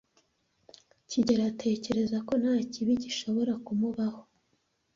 kigeli atekereza ko nta kibi gishobora kumubaho.